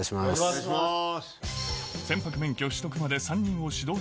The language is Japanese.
お願いします。